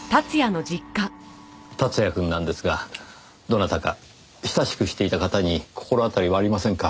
竜也くんなんですがどなたか親しくしていた方に心当たりはありませんか？